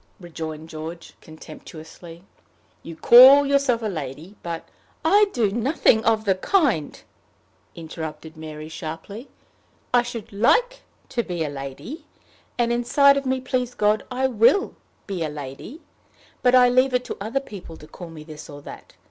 rejoined George, contemptuously. "You call yourself a lady, but " "I do nothing of the kind," interrupted Mary, sharply. "I should like to be a lady; and inside of me, please God, I will be a lady; but I leave it to other people to call me this or that.